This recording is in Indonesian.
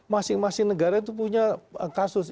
masing masing negara itu punya kasus